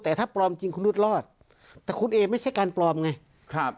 แต่ถ้าปลอมจริงคุณนุษย์รอดแต่คุณเอไม่ใช่การปลอมไงครับ